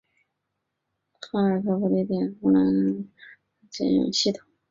哈尔科夫地铁是乌克兰城市哈尔科夫的捷运系统。